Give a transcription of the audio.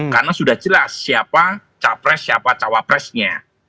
karena sudah jelas siapa cawa pres siapa cawa presnya